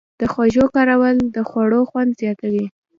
د خوږو کارول د خوړو خوند زیاتوي.